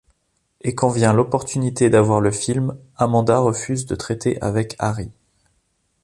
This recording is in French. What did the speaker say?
Et quand vient l'opportunité d'avoir le film, Amanda refuse de traiter avec Ari.